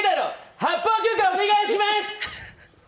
発砲許可、お願いします！